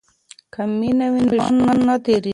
که مینه وي نو ژوند تیریږي.